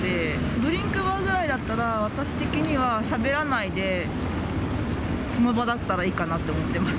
ドリンクバーぐらいだったら、私的には、しゃべらないで、その場だったらいいかなと思ってます。